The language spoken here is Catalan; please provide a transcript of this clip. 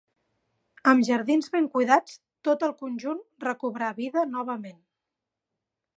Amb jardins ben cuidats tot el conjunt recobrà vida novament.